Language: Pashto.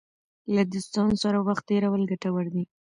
له دوستانو سره وخت تېرول ګټور دی.